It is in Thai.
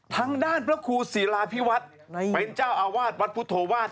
ทางด้านพระครูศิลาพิวัฒน์เป็นเจ้าอาวาสวัดพุทธวาส